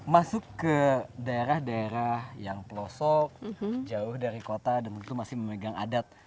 masuk ke daerah daerah yang pelosok jauh dari kota dan tentu masih memegang adat